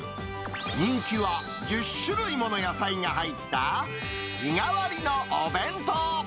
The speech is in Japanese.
人気は、１０種類もの野菜が入った日替わりのお弁当。